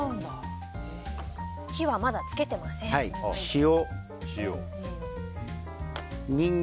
火はまだつけてません。